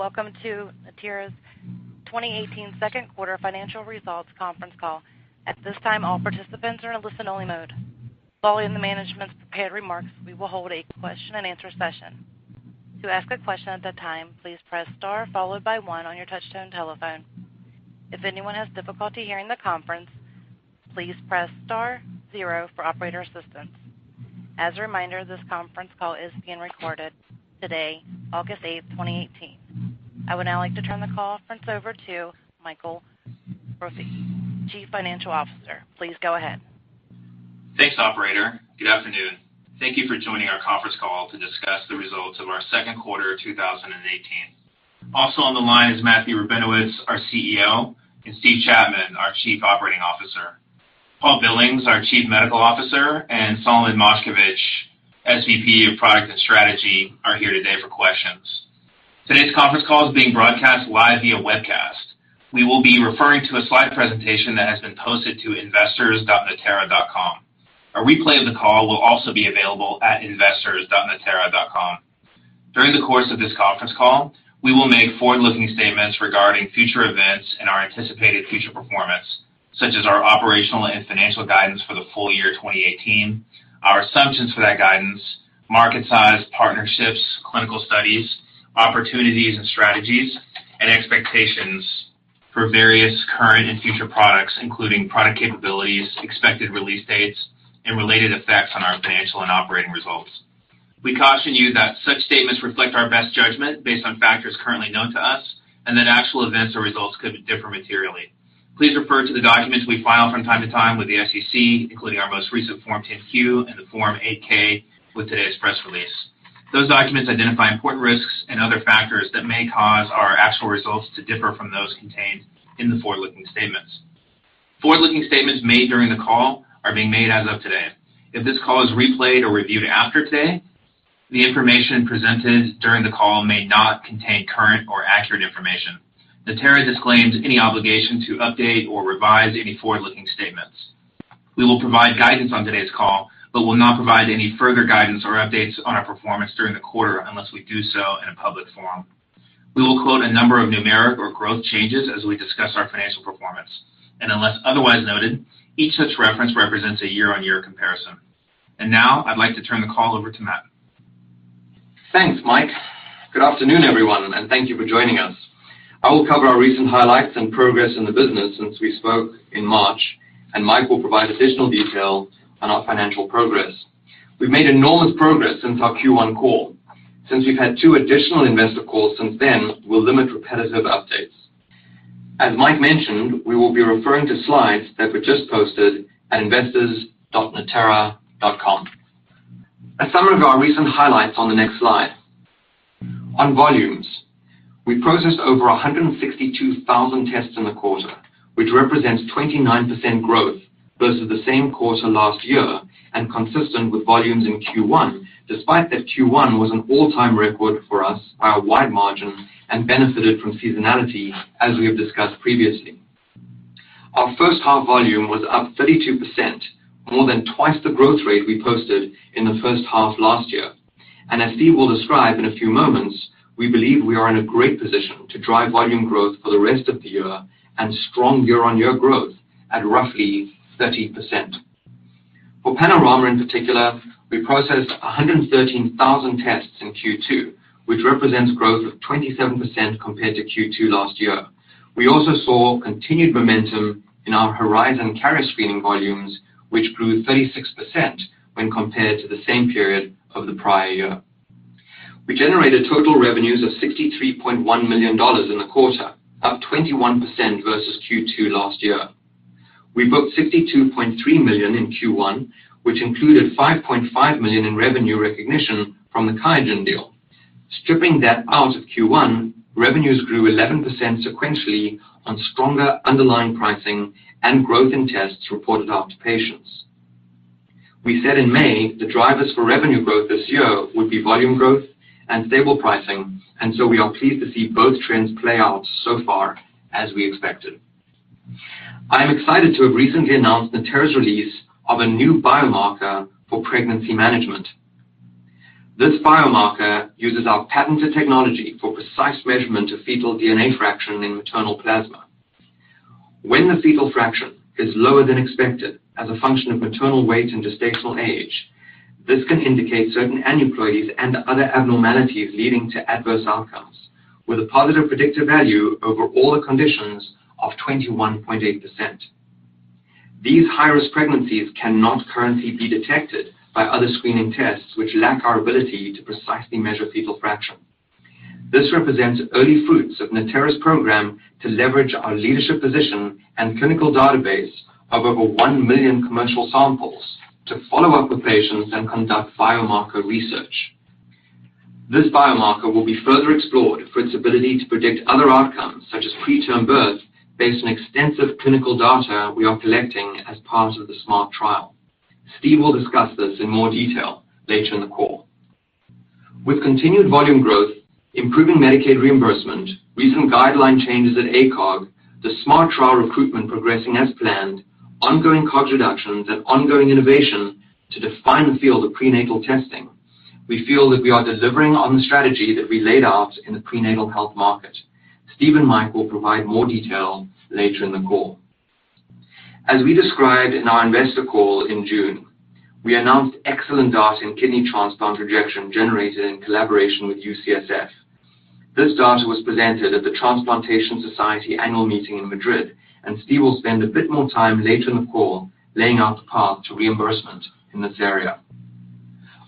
Welcome to Natera's 2018 second quarter financial results conference call. At this time, all participants are in listen only mode. Following the management's prepared remarks, we will hold a question and answer session. To ask a question at that time, please press star followed by one on your touchtone telephone. If anyone has difficulty hearing the conference, please press star zero for operator assistance. As a reminder, this conference call is being recorded today, August 8, 2018. I would now like to turn the conference over to Mike Brophy, Chief Financial Officer. Please go ahead. Thanks, operator. Good afternoon. Thank you for joining our conference call to discuss the results of our second quarter of 2018. Also on the line is Matthew Rabinowitz, our CEO, and Steve Chapman, our Chief Operating Officer. Paul Billings, our Chief Medical Officer, and Solomon Moshkevich, SVP of Product and Strategy, are here today for questions. Today's conference call is being broadcast live via webcast. We will be referring to a slide presentation that has been posted to investors.natera.com. A replay of the call will also be available at investors.natera.com. During the course of this conference call, we will make forward-looking statements regarding future events and our anticipated future performance, such as our operational and financial guidance for the full year 2018, our assumptions for that guidance, market size, partnerships, clinical studies, opportunities and strategies, and expectations for various current and future products, including product capabilities, expected release dates, and related effects on our financial and operating results. We caution you that such statements reflect our best judgment based on factors currently known to us and that actual events or results could differ materially. Please refer to the documents we file from time to time with the SEC, including our most recent Form 10-Q and the Form 8-K with today's press release. Those documents identify important risks and other factors that may cause our actual results to differ from those contained in the forward-looking statements. Forward-looking statements made during the call are being made as of today. If this call is replayed or reviewed after today, the information presented during the call may not contain current or accurate information. Natera disclaims any obligation to update or revise any forward-looking statements. We will provide guidance on today's call but will not provide any further guidance or updates on our performance during the quarter unless we do so in a public forum. We will quote a number of numeric or growth changes as we discuss our financial performance, and unless otherwise noted, each such reference represents a year-on-year comparison. Now I'd like to turn the call over to Matt. Thanks, Mike. Good afternoon, everyone, thank you for joining us. I will cover our recent highlights and progress in the business since we spoke in March, Mike will provide additional detail on our financial progress. We've made enormous progress since our Q1 call. Since we've had two additional investor calls since then, we will limit repetitive updates. As Mike mentioned, we will be referring to slides that were just posted at investors.natera.com. A summary of our recent highlights on the next slide. On volumes, we processed over 162,000 tests in the quarter, which represents 29% growth versus the same quarter last year and consistent with volumes in Q1, despite that Q1 was an all-time record for us by a wide margin and benefited from seasonality, as we have discussed previously. Our first half volume was up 32%, more than twice the growth rate we posted in the first half last year. As Steve will describe in a few moments, we believe we are in a great position to drive volume growth for the rest of the year and strong year-over-year growth at roughly 30%. For Panorama in particular, we processed 113,000 tests in Q2, which represents growth of 27% compared to Q2 last year. We also saw continued momentum in our Horizon carrier screening volumes, which grew 36% when compared to the same period of the prior year. We generated total revenues of $63.1 million in the quarter, up 21% versus Q2 last year. We booked $62.3 million in Q1, which included $5.5 million in revenue recognition from the QIAGEN deal. Stripping that out of Q1, revenues grew 11% sequentially on stronger underlying pricing and growth in tests reported out to patients. We said in May the drivers for revenue growth this year would be volume growth and stable pricing, we are pleased to see both trends play out so far as we expected. I am excited to have recently announced Natera's release of a new biomarker for pregnancy management. This biomarker uses our patented technology for precise measurement of fetal DNA fraction in maternal plasma. When the fetal fraction is lower than expected as a function of maternal weight and gestational age, this can indicate certain aneuploidies and other abnormalities leading to adverse outcomes with a positive predictive value over all the conditions of 21.8%. These high-risk pregnancies cannot currently be detected by other screening tests which lack our ability to precisely measure fetal fraction. This represents early fruits of Natera's program to leverage our leadership position and clinical database of over 1 million commercial samples to follow up with patients and conduct biomarker research. This biomarker will be further explored for its ability to predict other outcomes, such as preterm birth, based on extensive clinical data we are collecting as part of the SMART trial. Steve will discuss this in more detail later in the call. With continued volume growth, improving Medicaid reimbursement, recent guideline changes at ACOG, the SMART trial recruitment progressing as planned, ongoing cost reductions and ongoing innovation to define the field of prenatal testing. We feel that we are delivering on the strategy that we laid out in the prenatal health market. Steve and Mike will provide more detail later in the call. As we described in our investor call in June, we announced excellent data in kidney transplant rejection generated in collaboration with UCSF. This data was presented at the Transplantation Society annual meeting in Madrid. Steve will spend a bit more time later in the call laying out the path to reimbursement in this area.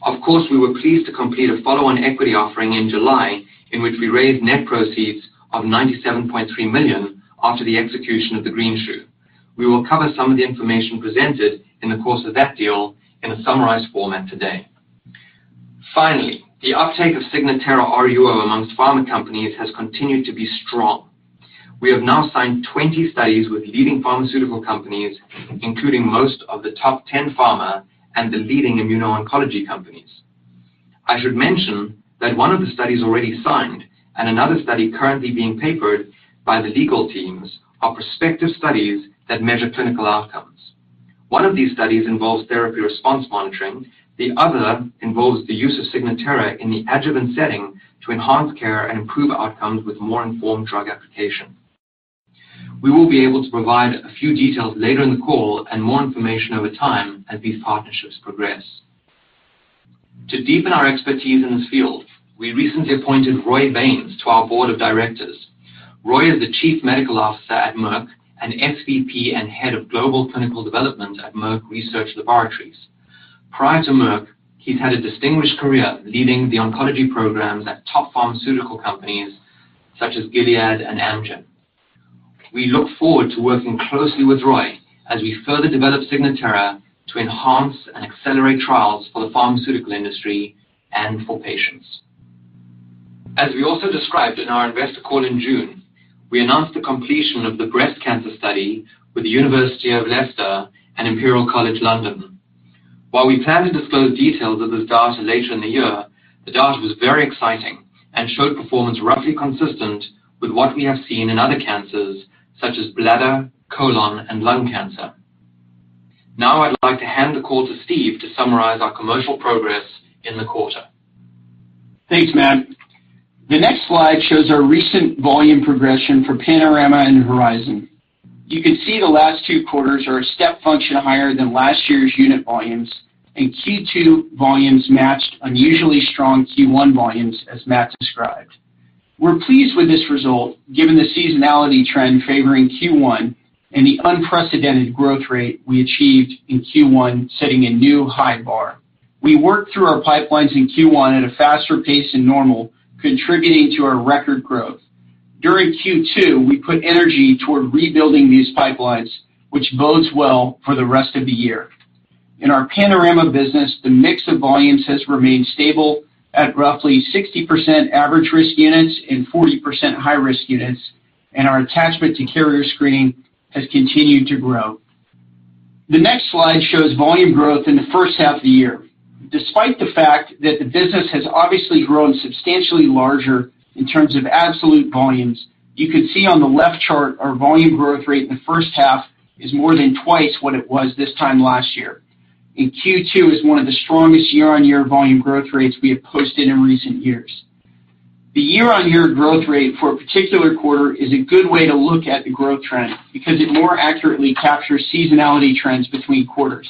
Of course, we were pleased to complete a follow-on equity offering in July, in which we raised net proceeds of $97.3 million after the execution of the greenshoe. We will cover some of the information presented in the course of that deal in a summarized format today. Finally, the uptake of Signatera RUO amongst pharma companies has continued to be strong. We have now signed 20 studies with leading pharmaceutical companies, including most of the top 10 pharma and the leading immuno-oncology companies. I should mention that one of the studies already signed and another study currently being papered by the legal teams are prospective studies that measure clinical outcomes. One of these studies involves therapy response monitoring, the other involves the use of Signatera in the adjuvant setting to enhance care and improve outcomes with more informed drug application. We will be able to provide a few details later in the call and more information over time as these partnerships progress. To deepen our expertise in this field, we recently appointed Roy Baynes to our board of directors. Roy is the Chief Medical Officer at Merck and SVP and Head of Global Clinical Development at Merck Research Laboratories. Prior to Merck, he's had a distinguished career leading the oncology programs at top pharmaceutical companies such as Gilead and Amgen. We look forward to working closely with Roy as we further develop Signatera to enhance and accelerate trials for the pharmaceutical industry and for patients. As we also described in our investor call in June, we announced the completion of the breast cancer study with the University of Leicester and Imperial College London. While we plan to disclose details of this data later in the year, the data was very exciting and showed performance roughly consistent with what we have seen in other cancers such as bladder, colon, and lung cancer. I'd like to hand the call to Steve to summarize our commercial progress in the quarter. Thanks, Matt. The next slide shows our recent volume progression for Panorama and Horizon. You can see the last two quarters are a step function higher than last year's unit volumes. Q2 volumes matched unusually strong Q1 volumes as Matt described. We're pleased with this result given the seasonality trend favoring Q1 and the unprecedented growth rate we achieved in Q1, setting a new high bar. We worked through our pipelines in Q1 at a faster pace than normal, contributing to our record growth. During Q2, we put energy toward rebuilding these pipelines, which bodes well for the rest of the year. In our Panorama business, the mix of volumes has remained stable at roughly 60% average-risk units and 40% high-risk units, and our attachment to carrier screening has continued to grow. The next slide shows volume growth in the first half of the year. Despite the fact that the business has obviously grown substantially larger in terms of absolute volumes, you can see on the left chart our volume growth rate in the first half is more than twice what it was this time last year. Q2 is one of the strongest year-on-year volume growth rates we have posted in recent years. The year-on-year growth rate for a particular quarter is a good way to look at the growth trend because it more accurately captures seasonality trends between quarters.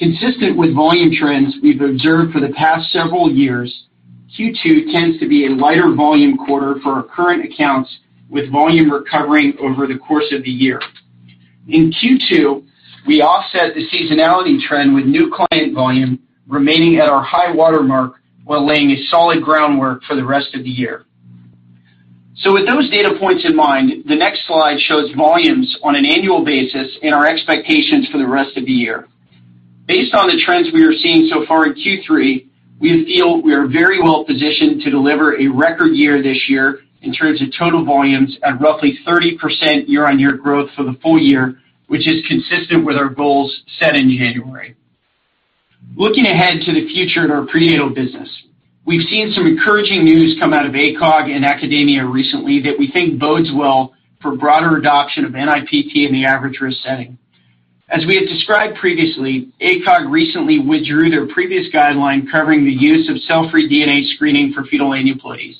Consistent with volume trends we've observed for the past several years, Q2 tends to be a lighter volume quarter for our current accounts, with volume recovering over the course of the year. In Q2, we offset the seasonality trend with new client volume remaining at our high water mark while laying a solid groundwork for the rest of the year. With those data points in mind, the next slide shows volumes on an annual basis and our expectations for the rest of the year. Based on the trends we are seeing so far in Q3, we feel we are very well positioned to deliver a record year this year in terms of total volumes at roughly 30% year-on-year growth for the full year, which is consistent with our goals set in January. Looking ahead to the future of our prenatal business, we've seen some encouraging news come out of ACOG and academia recently that we think bodes well for broader adoption of NIPT in the average-risk setting. As we had described previously, ACOG recently withdrew their previous guideline covering the use of cell-free DNA screening for fetal aneuploidies.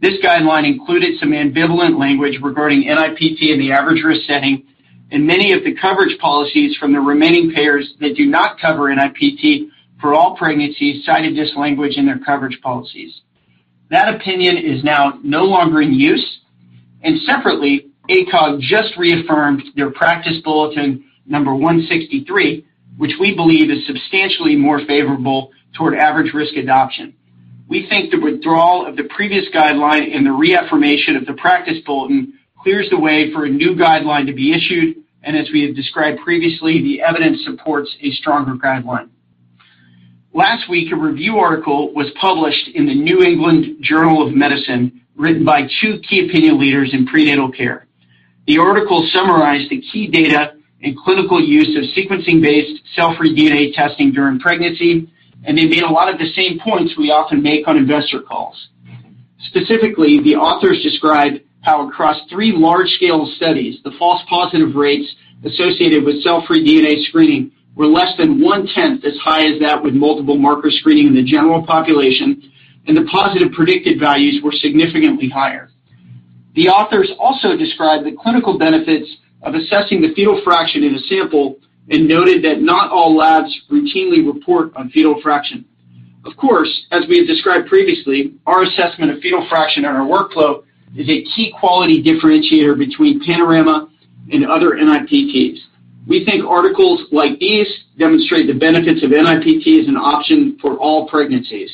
This guideline included some ambivalent language regarding NIPT in the average-risk setting, and many of the coverage policies from the remaining payers that do not cover NIPT for all pregnancies cited this language in their coverage policies. That opinion is now no longer in use. Separately, ACOG just reaffirmed their Practice Bulletin 163, which we believe is substantially more favorable toward average risk adoption. We think the withdrawal of the previous guideline and the reaffirmation of the practice bulletin clears the way for a new guideline to be issued, and as we have described previously, the evidence supports a stronger guideline. Last week, a review article was published in The New England Journal of Medicine written by two key opinion leaders in prenatal care. The article summarized the key data and clinical use of sequencing-based cell-free DNA testing during pregnancy, they made a lot of the same points we often make on investor calls. Specifically, the authors describe how across three large-scale studies, the false positive rates associated with cell-free DNA screening were less than one-tenth as high as that with multiple marker screening in the general population, and the positive predictive values were significantly higher. The authors also described the clinical benefits of assessing the fetal fraction in a sample and noted that not all labs routinely report on fetal fraction. Of course, as we have described previously, our assessment of fetal fraction in our workflow is a key quality differentiator between Panorama and other NIPTs. We think articles like these demonstrate the benefits of NIPT as an option for all pregnancies.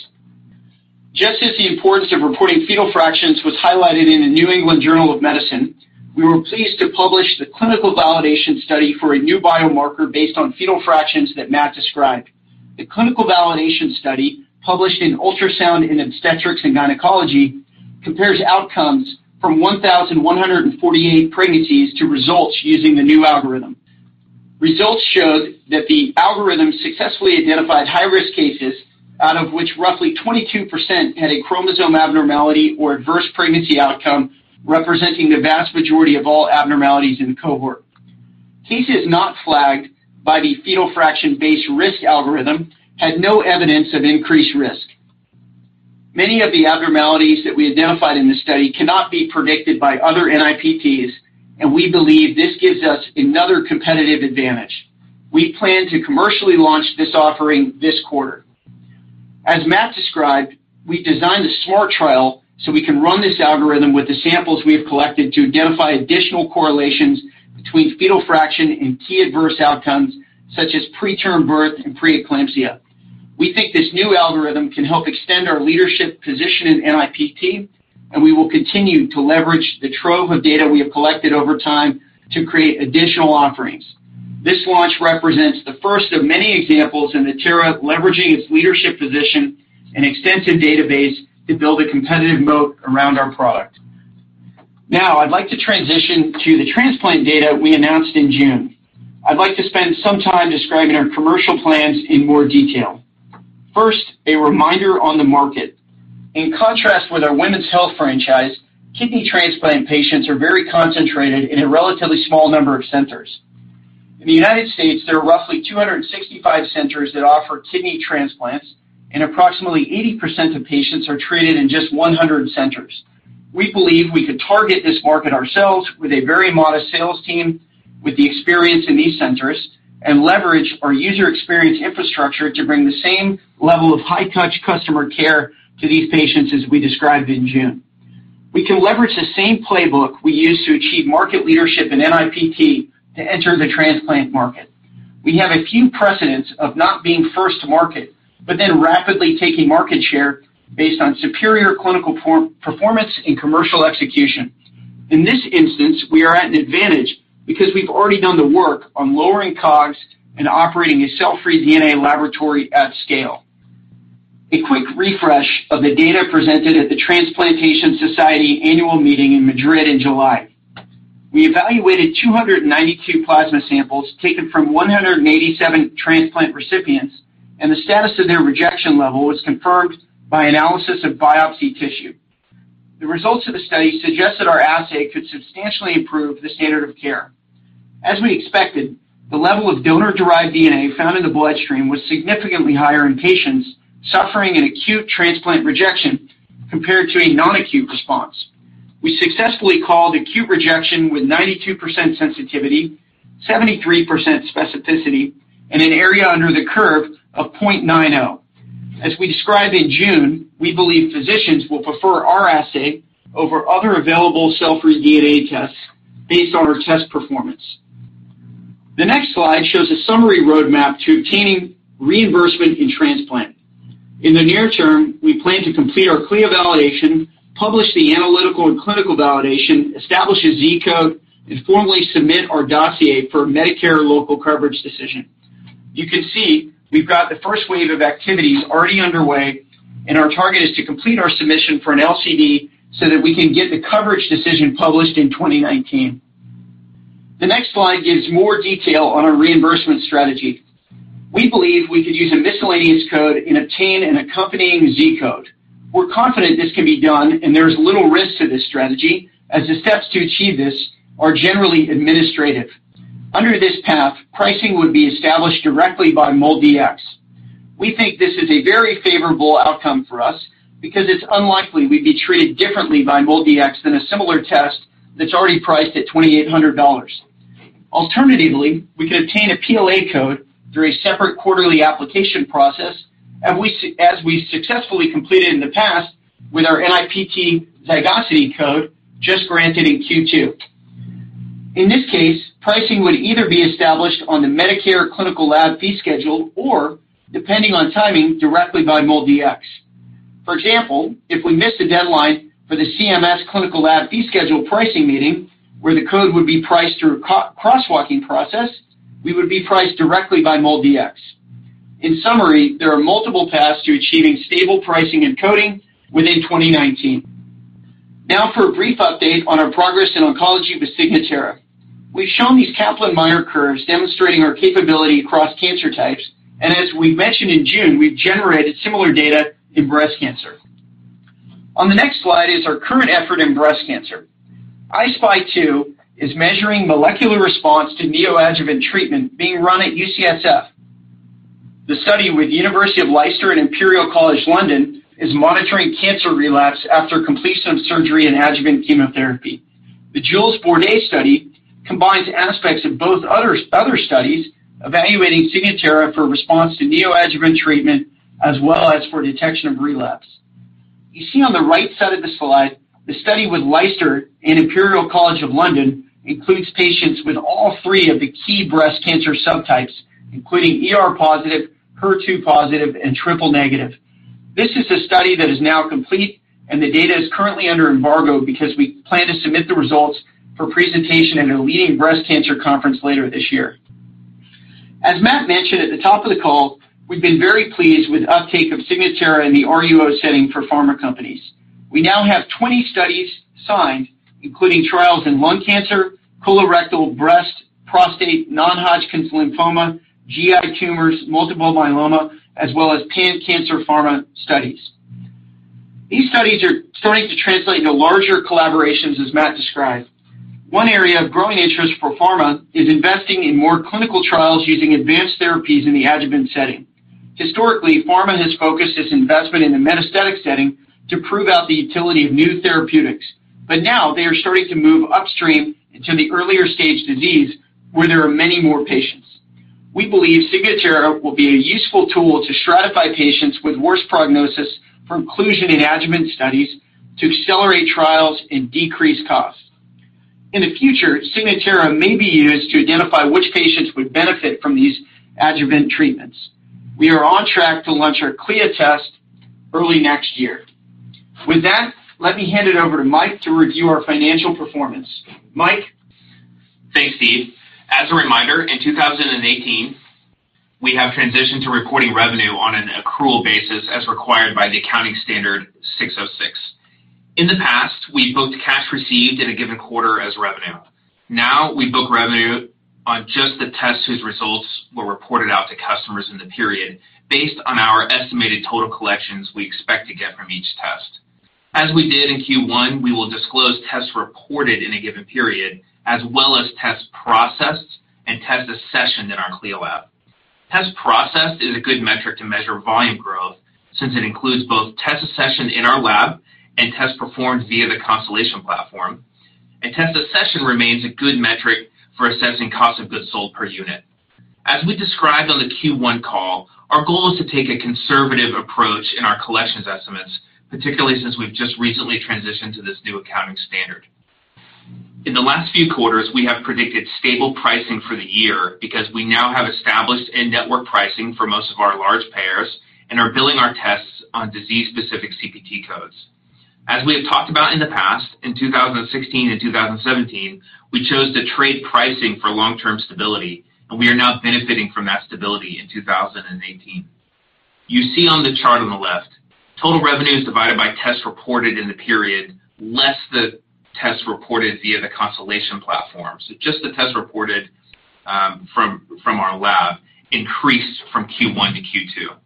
Just as the importance of reporting fetal fractions was highlighted in The New England Journal of Medicine, we were pleased to publish the clinical validation study for a new biomarker based on fetal fractions that Matt described. The clinical validation study, published in Ultrasound in Obstetrics & Gynecology, compares outcomes from 1,148 pregnancies to results using the new algorithm. Results showed that the algorithm successfully identified high-risk cases out of which roughly 22% had a chromosome abnormality or adverse pregnancy outcome, representing the vast majority of all abnormalities in the cohort. Cases not flagged by the fetal fraction-based risk algorithm had no evidence of increased risk. Many of the abnormalities that we identified in this study cannot be predicted by other NIPTs, and we believe this gives us another competitive advantage. We plan to commercially launch this offering this quarter. As Matt described, we've designed a SMART trial so we can run this algorithm with the samples we have collected to identify additional correlations between fetal fraction and key adverse outcomes such as preterm birth and preeclampsia. We think this new algorithm can help extend our leadership position in NIPT, and we will continue to leverage the trove of data we have collected over time to create additional offerings. This launch represents the first of many examples of Natera leveraging its leadership position and extensive database to build a competitive moat around our product. I'd like to transition to the transplant data we announced in June. I'd like to spend some time describing our commercial plans in more detail. A reminder on the market. In contrast with our women's health franchise, kidney transplant patients are very concentrated in a relatively small number of centers. In the U.S., there are roughly 265 centers that offer kidney transplants, and approximately 80% of patients are treated in just 100 centers. We believe we could target this market ourselves with a very modest sales team with the experience in these centers and leverage our user experience infrastructure to bring the same level of high-touch customer care to these patients as we described in June. We can leverage the same playbook we used to achieve market leadership in NIPT to enter the transplant market. We have a few precedents of not being first to market, but then rapidly taking market share based on superior clinical performance and commercial execution. In this instance, we are at an advantage because we've already done the work on lowering COGS and operating a cell-free DNA laboratory at scale. A quick refresh of the data presented at The Transplantation Society Annual Meeting in Madrid in July. We evaluated 292 plasma samples taken from 187 transplant recipients, and the status of their rejection level was confirmed by analysis of biopsy tissue. The results of the study suggested our assay could substantially improve the standard of care. As we expected, the level of donor-derived DNA found in the bloodstream was significantly higher in patients suffering an acute transplant rejection compared to a non-acute response. We successfully called acute rejection with 92% sensitivity, 73% specificity, and an area under the curve of 0.90. As we described in June, we believe physicians will prefer our assay over other available cell-free DNA tests based on our test performance. The next slide shows a summary roadmap to obtaining reimbursement in transplant. In the near term, we plan to complete our CLIA validation, publish the analytical and clinical validation, establish a Z-code, and formally submit our dossier for Medicare Local Coverage Decision. You can see we've got the first wave of activities already underway, and our target is to complete our submission for an LCD so that we can get the coverage decision published in 2019. The next slide gives more detail on our reimbursement strategy. We believe we could use a miscellaneous code and obtain an accompanying Z-code. We're confident this can be done, and there's little risk to this strategy, as the steps to achieve this are generally administrative. Under this path, pricing would be established directly by MolDX. We think this is a very favorable outcome for us because it's unlikely we'd be treated differently by MolDX than a similar test that's already priced at $2,800. Alternatively, we could obtain a PLA code through a separate quarterly application process as we successfully completed in the past with our NIPT zygosity code just granted in Q2. In this case, pricing would either be established on the Medicare Clinical Laboratory Fee Schedule or, depending on timing, directly by MolDX. For example, if we missed the deadline for the CMS Clinical Laboratory Fee Schedule pricing meeting, where the code would be priced through a crosswalking process, we would be priced directly by MolDX. In summary, there are multiple paths to achieving stable pricing and coding within 2019. Now for a brief update on our progress in oncology with Signatera. We've shown these Kaplan-Meier curves demonstrating our capability across cancer types, and as we mentioned in June, we've generated similar data in breast cancer. On the next slide is our current effort in breast cancer. I-SPY 2 is measuring molecular response to neoadjuvant treatment being run at UCSF. The study with University of Leicester and Imperial College London is monitoring cancer relapse after completion of surgery and adjuvant chemotherapy. The JULES-4 A study combines aspects of both other studies evaluating Signatera for response to neoadjuvant treatment, as well as for detection of relapse. You see on the right side of the slide, the study with Leicester and Imperial College London includes patients with all 3 of the key breast cancer subtypes, including ER-positive, HER2-positive and triple-negative. This is a study that is now complete, and the data is currently under embargo because we plan to submit the results for presentation at a leading breast cancer conference later this year. As Matt mentioned at the top of the call, we've been very pleased with the uptake of Signatera in the RUO setting for pharma companies. We now have 20 studies signed, including trials in lung cancer, colorectal, breast, prostate, non-Hodgkin's lymphoma, GI tumors, multiple myeloma, as well as pan-cancer pharma studies. These studies are starting to translate into larger collaborations, as Matt described. One area of growing interest for pharma is investing in more clinical trials using advanced therapies in the adjuvant setting. Historically, pharma has focused its investment in the metastatic setting to prove out the utility of new therapeutics. Now they are starting to move upstream into the earlier stage disease, where there are many more patients. We believe Signatera will be a useful tool to stratify patients with worse prognosis for inclusion in adjuvant studies to accelerate trials and decrease costs. In the future, Signatera may be used to identify which patients would benefit from these adjuvant treatments. We are on track to launch our CLIA test early next year. With that, let me hand it over to Mike to review our financial performance. Mike? Thanks, Steve. As a reminder, in 2018, we have transitioned to recording revenue on an accrual basis as required by the accounting standard 606. We book revenue on just the tests whose results were reported out to customers in the period, based on our estimated total collections we expect to get from each test. As we did in Q1, we will disclose tests reported in a given period, as well as tests processed and tests accessioned in our CLIA lab. Tests processed is a good metric to measure volume growth, since it includes both tests accessioned in our lab and tests performed via the Constellation platform, and tests accessioned remains a good metric for assessing cost of goods sold per unit. As we described on the Q1 call, our goal is to take a conservative approach in our collections estimates, particularly since we've just recently transitioned to this new accounting standard. In the last few quarters, we have predicted stable pricing for the year because we now have established in-network pricing for most of our large payers and are billing our tests on disease-specific CPT codes. As we have talked about in the past, in 2016 and 2017, we chose to trade pricing for long-term stability, and we are now benefiting from that stability in 2018. You see on the chart on the left, total revenues divided by tests reported in the period, less the tests reported via the Constellation platform. Just the tests reported from our lab increased from Q1 to Q2.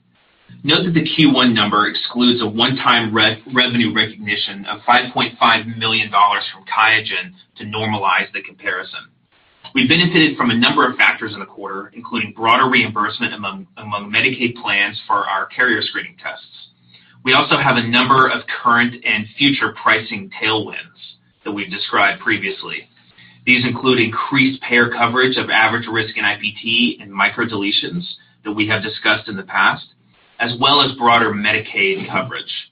Note that the Q1 number excludes a one-time revenue recognition of $5.5 million from QIAGEN to normalize the comparison. We benefited from a number of factors in the quarter, including broader reimbursement among Medicaid plans for our carrier screening tests. We also have a number of current and future pricing tailwinds that we've described previously. These include increased payer coverage of average risk in NIPT and microdeletions that we have discussed in the past, as well as broader Medicaid coverage.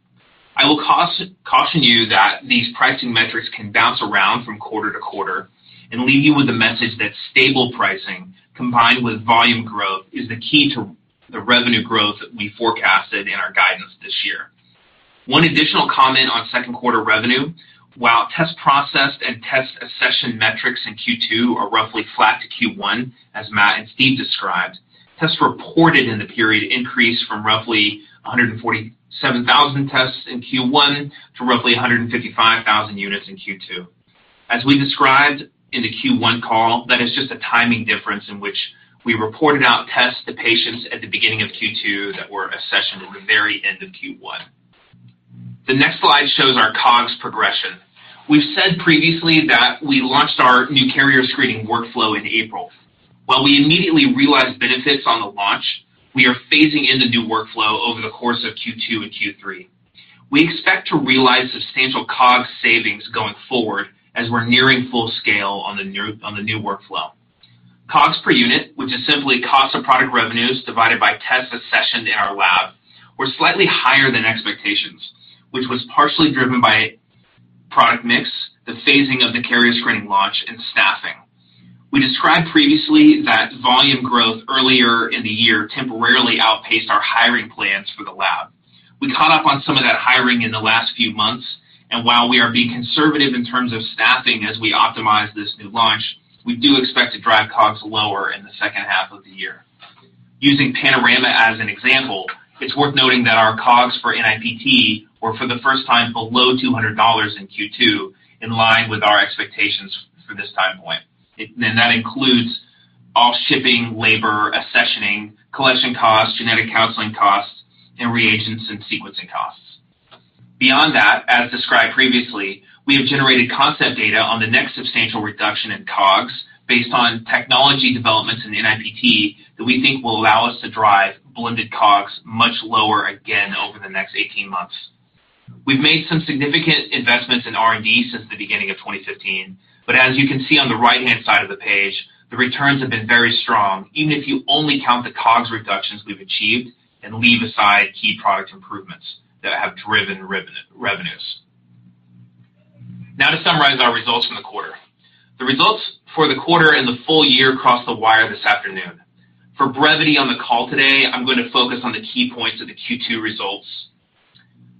I will caution you that these pricing metrics can bounce around from quarter to quarter and leave you with the message that stable pricing combined with volume growth is the key to the revenue growth that we forecasted in our guidance this year. One additional comment on second quarter revenue. While tests processed and tests accessioned metrics in Q2 are roughly flat to Q1, as Matt and Steve described, tests reported in the period increased from roughly 147,000 tests in Q1 to roughly 155,000 units in Q2. As we described in the Q1 call, that is just a timing difference in which we reported out tests to patients at the beginning of Q2 that were accessioned at the very end of Q1. The next slide shows our COGS progression. We've said previously that we launched our new carrier screening workflow in April. While we immediately realized benefits on the launch, we are phasing in the new workflow over the course of Q2 and Q3. We expect to realize substantial COGS savings going forward as we're nearing full scale on the new workflow. COGS per unit, which is simply cost of product revenues divided by tests accessioned in our lab, were slightly higher than expectations, which was partially driven by product mix, the phasing of the carrier screening launch, and staffing. We described previously that volume growth earlier in the year temporarily outpaced our hiring plans for the lab. We caught up on some of that hiring in the last few months, and while we are being conservative in terms of staffing as we optimize this new launch, we do expect to drive COGS lower in the second half of the year. Using Panorama as an example, it's worth noting that our COGS for NIPT were for the first time below $200 in Q2, in line with our expectations for this time point. That includes all shipping, labor, accessioning, collection costs, genetic counseling costs, and reagents and sequencing costs. Beyond that, as described previously, we have generated concept data on the next substantial reduction in COGS based on technology developments in NIPT that we think will allow us to drive blended COGS much lower again over the next 18 months. We've made some significant investments in R&D since the beginning of 2015. As you can see on the right-hand side of the page, the returns have been very strong, even if you only count the COGS reductions we've achieved and leave aside key product improvements that have driven revenues. To summarize our results from the quarter. The results for the quarter and the full year crossed the wire this afternoon. For brevity on the call today, I'm going to focus on the key points of the Q2 results.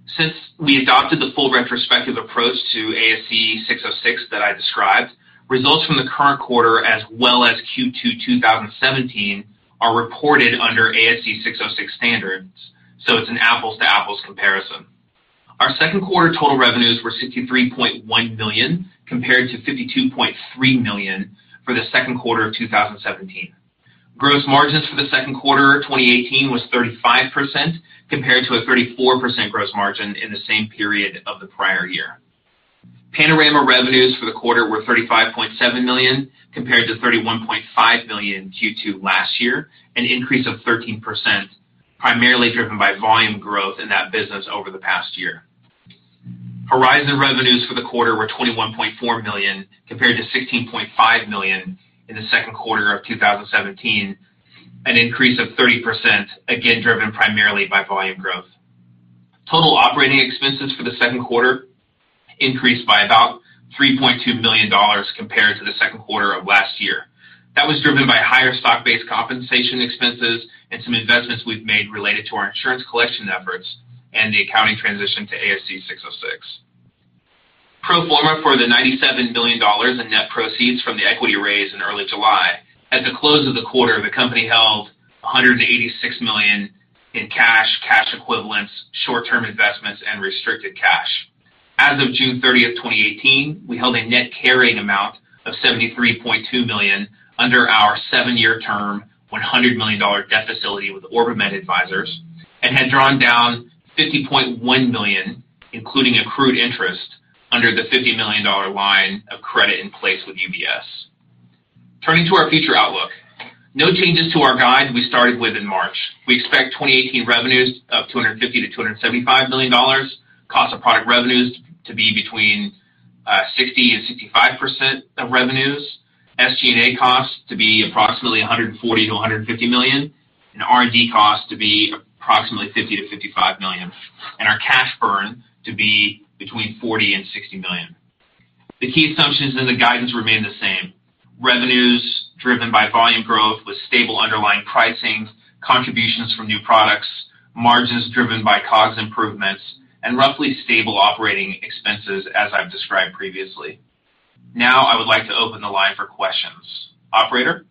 Since we adopted the full retrospective approach to ASC 606 that I described, results from the current quarter as well as Q2 2017 are reported under ASC 606 standards. It's an apples to apples comparison. Our second quarter total revenues were $63.1 million, compared to $52.3 million for the second quarter of 2017. Gross margins for the second quarter 2018 was 35%, compared to a 34% gross margin in the same period of the prior year. Panorama revenues for the quarter were $35.7 million, compared to $31.5 million in Q2 last year, an increase of 13%, primarily driven by volume growth in that business over the past year. Horizon revenues for the quarter were $21.4 million, compared to $16.5 million in the second quarter of 2017, an increase of 30%, again driven primarily by volume growth. Total operating expenses for the second quarter increased by about $3.2 million compared to the second quarter of last year. That was driven by higher stock-based compensation expenses and some investments we've made related to our insurance collection efforts and the accounting transition to ASC 606. Pro forma for the $97 million in net proceeds from the equity raise in early July. At the close of the quarter, the company held $186 million in cash equivalents, short-term investments, and restricted cash. As of June 30th, 2018, we held a net carrying amount of $73.2 million under our seven-year term, $100 million debt facility with OrbiMed Advisors, and had drawn down $50.1 million, including accrued interest, under the $50 million line of credit in place with UBS. Turning to our future outlook. No changes to our guide we started with in March. We expect 2018 revenues of $250 million-$275 million, cost of product revenues to be between 60% and 65% of revenues, SG&A costs to be approximately $140 million-$150 million, and R&D costs to be approximately $50 million-$55 million, and our cash burn to be between $40 million and $60 million. The key assumptions in the guidance remain the same. Revenues driven by volume growth with stable underlying pricing, contributions from new products, margins driven by COGS improvements, and roughly stable operating expenses as I've described previously. I would like to open the line for questions. Operator?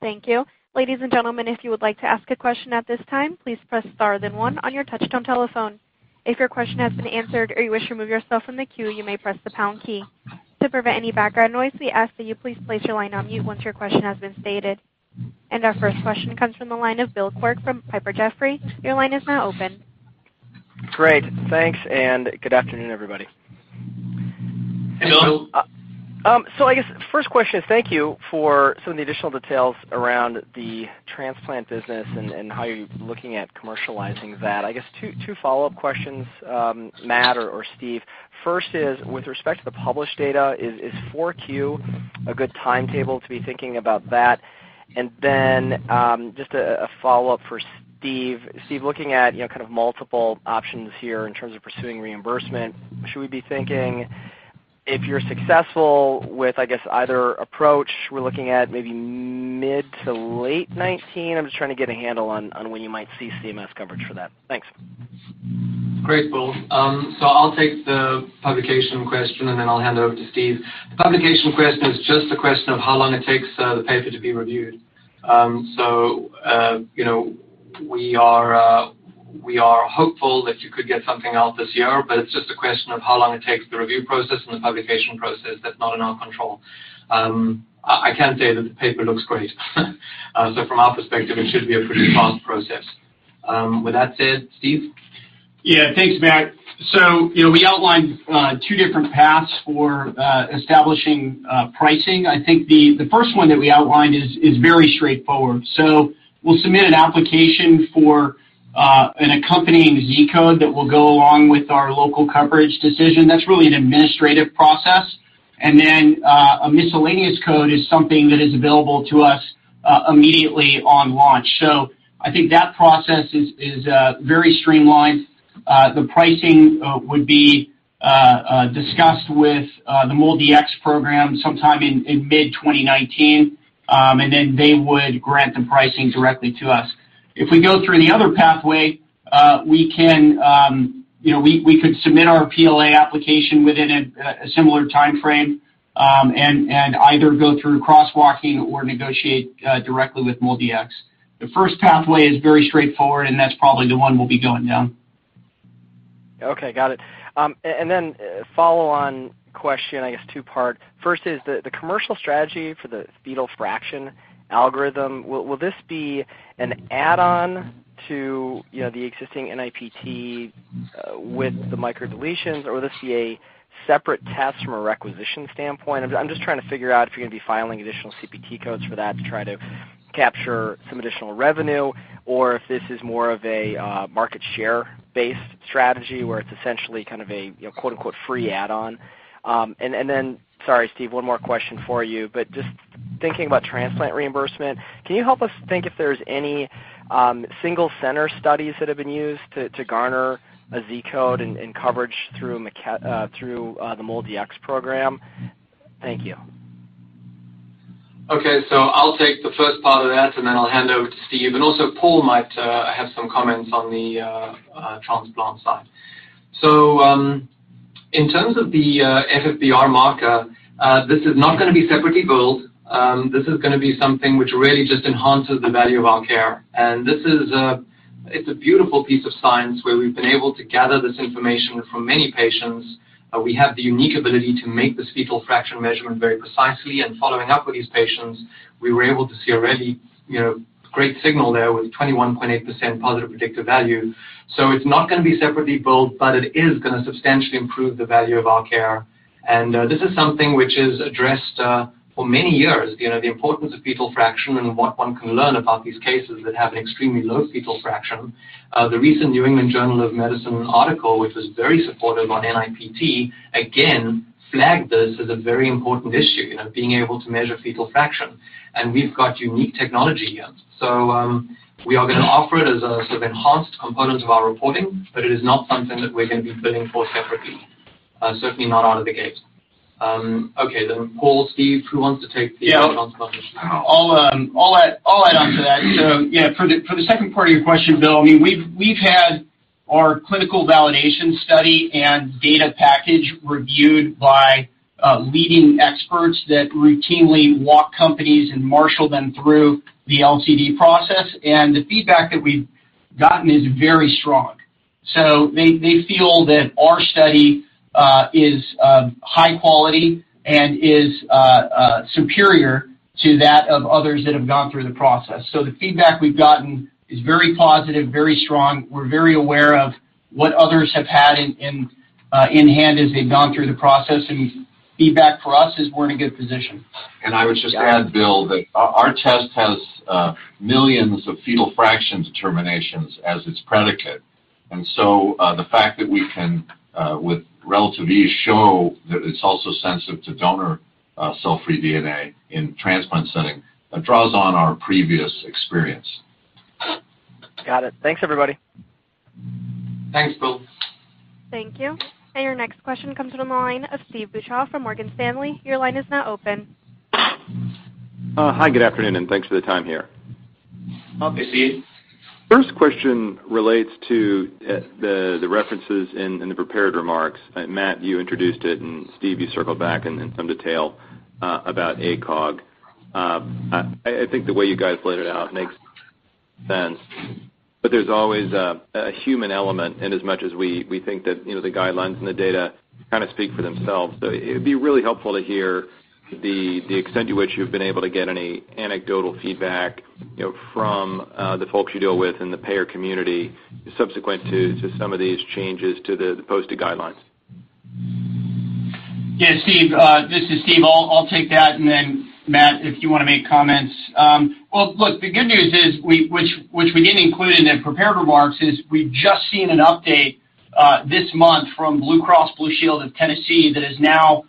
Thank you. Ladies and gentlemen, if you would like to ask a question at this time, please press star then one on your touchtone telephone. If your question has been answered or you wish to remove yourself from the queue, you may press the pound key. To prevent any background noise, we ask that you please place your line on mute once your question has been stated. Our first question comes from the line of William Quirk from Piper Jaffray. Your line is now open. Great. Thanks. Good afternoon, everybody. Hey, Bill. I guess first question is thank you for some of the additional details around the transplant business and how you're looking at commercializing that. I guess two follow-up questions, Matt or Steve. First is, with respect to the published data, is 4Q a good timetable to be thinking about that? Just a follow-up for Steve. Steve, looking at kind of multiple options here in terms of pursuing reimbursement, should we be thinking if you're successful with, I guess, either approach, we're looking at maybe mid to late 2019? I'm just trying to get a handle on when you might see CMS coverage for that. Thanks. Great, Bill. I'll take the publication question, I'll hand it over to Steve. The publication question is just a question of how long it takes the paper to be reviewed. We are hopeful that you could get something out this year, it's just a question of how long it takes the review process and the publication process. That's not in our control. I can say that the paper looks great. From our perspective, it should be a pretty fast process. With that said, Steve? Yeah. Thanks, Matt. We outlined two different paths for establishing pricing. I think the first one that we outlined is very straightforward. We'll submit an application for an accompanying Z-code that will go along with our local coverage decision. That's really an administrative process. A miscellaneous code is something that is available to us immediately on launch. I think that process is very streamlined. The pricing would be discussed with the MolDX program sometime in mid-2019, they would grant the pricing directly to us. If we go through the other pathway, we could submit our PLA application within a similar timeframe either go through crosswalking or negotiate directly with MolDX. The first pathway is very straightforward, that's probably the one we'll be going down. Okay, got it. A follow-on question, I guess two-part. First is the commercial strategy for the fetal fraction algorithm, will this be an add-on to the existing NIPT with the microdeletions, or will this be a separate test from a requisition standpoint? I am just trying to figure out if you are going to be filing additional CPT codes for that to try to capture some additional revenue, or if this is more of a market share based strategy where it is essentially kind of a "free add-on." Sorry, Steve, one more question for you, but just thinking about transplant reimbursement, can you help us think if there is any single center studies that have been used to garner a Z-code and coverage through the MolDX program? Thank you. Okay. I will take the first part of that, and then I will hand over to Steve. Also Paul might have some comments on the transplant side. In terms of the FFPR marker, this is not going to be separately billed. This is going to be something which really just enhances the value of our care. It is a beautiful piece of science where we have been able to gather this information from many patients. We have the unique ability to make this fetal fraction measurement very precisely. Following up with these patients, we were able to see a really great signal there with 21.8% positive predictive value. It is not going to be separately billed, but it is going to substantially improve the value of our care. This is something which is addressed for many years, the importance of fetal fraction and what one can learn about these cases that have an extremely low fetal fraction. The recent The New England Journal of Medicine article, which was very supportive on NIPT, again flagged this as a very important issue, being able to measure fetal fraction. We have got unique technology here. We are going to offer it as a sort of enhanced component of our reporting, but it is not something that we are going to be billing for separately. Certainly not out of the gate. Okay, Paul, Steve, who wants to take the transplant issue? Yeah. I will add on to that. For the second part of your question, Bill, we have had our clinical validation study and data package reviewed by leading experts that routinely walk companies and marshal them through the LCD process. The feedback that we have gotten is very strong. They feel that our study is high quality and is superior to that of others that have gone through the process. The feedback we have gotten is very positive, very strong. We are very aware of what others have had in hand as they have gone through the process, and feedback for us is we are in a good position. I would just add, Bill, that our test has millions of fetal fraction determinations as its predicate. The fact that we can, with relative ease, show that it's also sensitive to donor cell-free DNA in transplant setting draws on our previous experience. Got it. Thanks, everybody. Thanks, Bill. Thank you. Your next question comes from the line of Steve Beuchaw from Morgan Stanley. Your line is now open. Hi, good afternoon. Thanks for the time here. Okay, Steve. First question relates to the references in the prepared remarks. Matt, you introduced it. Steve, you circled back in some detail, about ACOG. I think the way you guys laid it out makes sense. There's always a human element in as much as we think that the guidelines and the data kind of speak for themselves. It'd be really helpful to hear the extent to which you've been able to get any anecdotal feedback from the folks you deal with in the payer community subsequent to some of these changes to the posted guidelines. Yeah, Steve, this is Steve. I'll take that. Then Matt, if you want to make comments. Well, look, the good news is, which we didn't include in the prepared remarks, is we've just seen an update this month from BlueCross BlueShield of Tennessee that has now,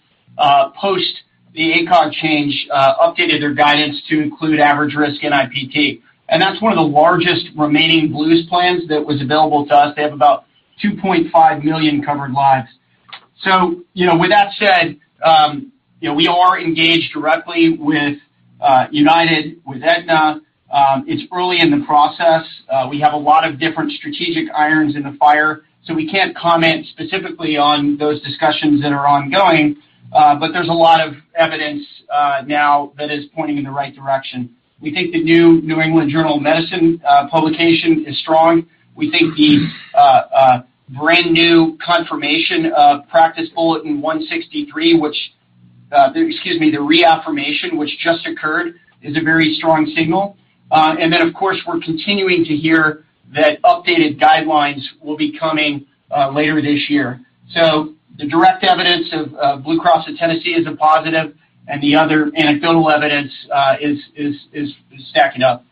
post the ACOG change, updated their guidance to include average risk NIPT. That's one of the largest remaining Blues plans that was available to us. They have about 2.5 million covered lives. With that said, we are engaged directly with United, with Aetna. It's early in the process. We have a lot of different strategic irons in the fire. We can't comment specifically on those discussions that are ongoing. There's a lot of evidence now that is pointing in the right direction. We think the new The New England Journal of Medicine publication is strong. We think the brand-new confirmation of Practice Bulletin 163, the reaffirmation, which just occurred, is a very strong signal. Of course, we're continuing to hear that updated guidelines will be coming later this year. The direct evidence of Blue Cross of Tennessee is a positive, and the other anecdotal evidence is stacking up.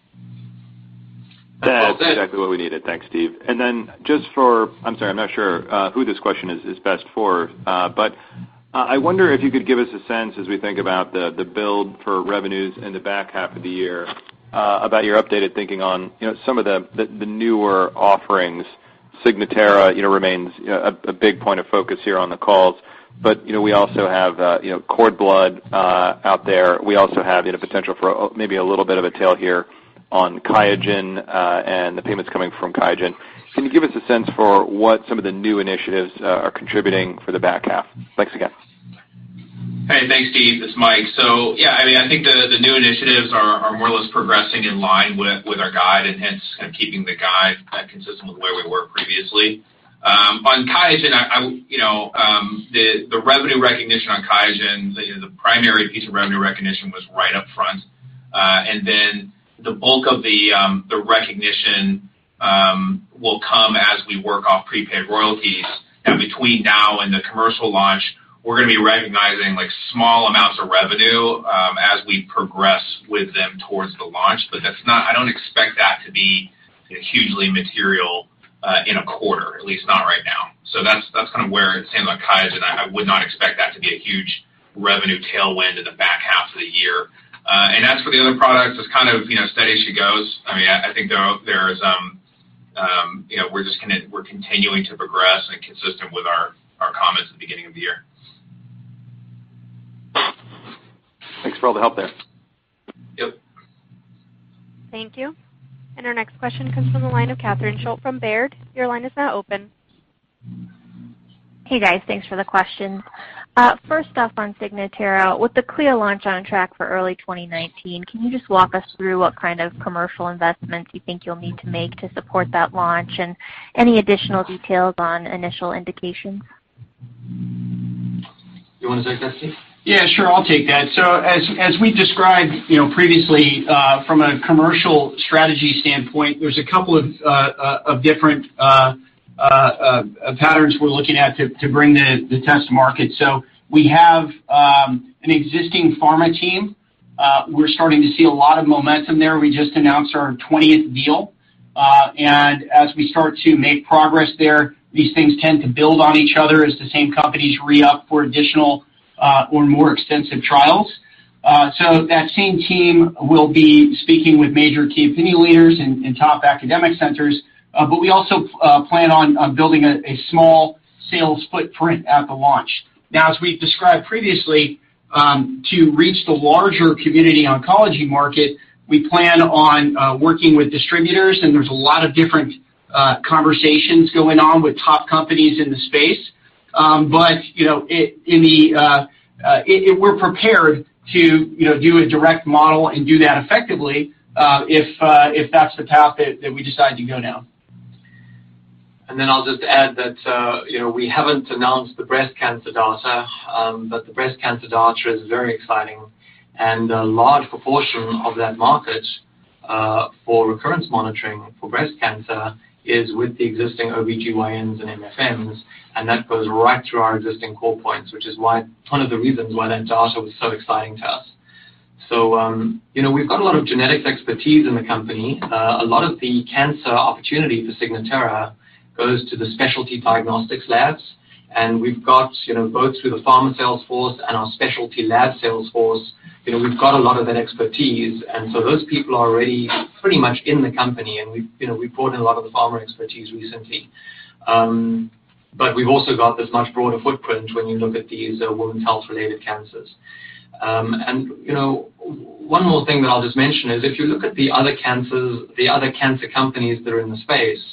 That's exactly what we needed. Thanks, Steve. I'm sorry, I'm not sure who this question is best for. I wonder if you could give us a sense as we think about the build for revenues in the back half of the year, about your updated thinking on some of the newer offerings. Signatera remains a big point of focus here on the calls. We also have cord blood out there. We also have potential for maybe a little bit of a tail here on QIAGEN and the payments coming from QIAGEN. Can you give us a sense for what some of the new initiatives are contributing for the back half? Thanks again. Hey, thanks, Steve. This is Mike. Yeah, I think the new initiatives are more or less progressing in line with our guide, and hence kind of keeping the guide consistent with where we were previously. On QIAGEN, the revenue recognition on QIAGEN, the primary piece of revenue recognition was right up front. The bulk of the recognition will come as we work off prepaid royalties. Between now and the commercial launch, we're going to be recognizing small amounts of revenue as we progress with them towards the launch. I don't expect that to be hugely material in a quarter, at least not right now. That's kind of where it stands on QIAGEN. I would not expect that to be a huge revenue tailwind in the back half of the year. As for the other products, it's kind of steady as she goes. I think we're continuing to progress and consistent with our comments at the beginning of the year. Thanks for all the help there. Yep. Thank you. Our next question comes from the line of Catherine Schulte from Baird. Your line is now open. Hey, guys. Thanks for the question. First off, on Signatera, with the CLIA launch on track for early 2019, can you just walk us through what kind of commercial investments you think you'll need to make to support that launch, and any additional details on initial indications? You want to take that, Steve? Yeah, sure. I'll take that. As we described previously, from a commercial strategy standpoint, there's a couple of different patterns we're looking at to bring the test to market. We have an existing pharma team. We're starting to see a lot of momentum there. We just announced our 20th deal. As we start to make progress there, these things tend to build on each other as the same companies re-up for additional or more extensive trials. That same team will be speaking with major key opinion leaders and top academic centers. We also plan on building a small sales footprint at the launch. Now, as we've described previously, to reach the larger community oncology market, we plan on working with distributors, there's a lot of different conversations going on with top companies in the space. We're prepared to do a direct model and do that effectively, if that's the path that we decide to go down. I'll just add that we haven't announced the breast cancer data, but the breast cancer data is very exciting. A large proportion of that market for recurrence monitoring for breast cancer is with the existing OB-GYNs and MFMs, and that goes right to our existing call points, which is one of the reasons why that data was so exciting to us. We've got a lot of genetics expertise in the company. A lot of the cancer opportunity for Signatera goes to the specialty diagnostics labs, and we've got both through the pharma sales force and our specialty lab sales force, we've got a lot of that expertise. Those people are already pretty much in the company, and we've brought in a lot of the pharma expertise recently. We've also got this much broader footprint when you look at these women's health-related cancers. One more thing that I'll just mention is if you look at the other cancer companies that are in the space,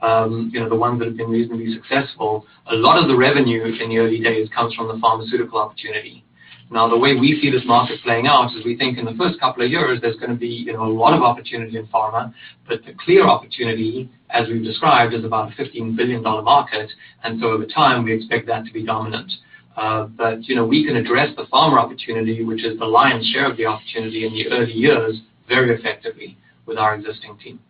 the ones that have been reasonably successful, a lot of the revenue in the early days comes from the pharmaceutical opportunity. Now, the way we see this market playing out is we think in the first couple of years, there's going to be a lot of opportunity in pharma, but the clear opportunity, as we've described, is about a $15 billion market, over time, we expect that to be dominant. We can address the pharma opportunity, which is the lion's share of the opportunity in the early years, very effectively with our existing team.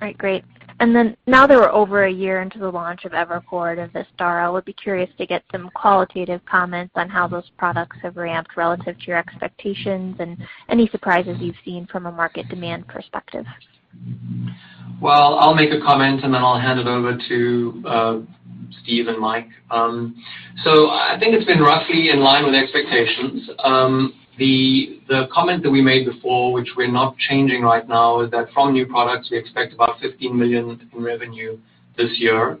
All right, great. Now that we're over a year into the launch of Evercord and Vistara, I would be curious to get some qualitative comments on how those products have ramped relative to your expectations and any surprises you've seen from a market demand perspective. Well, I'll make a comment, and then I'll hand it over to Steve and Mike. I think it's been roughly in line with expectations. The comment that we made before, which we're not changing right now, is that from new products, we expect about $15 million in revenue this year.